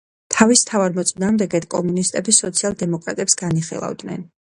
თავის მთავარ მოწინააღმდეგედ კომუნისტები სოციალ-დემოკრატებს განიხილავდნენ.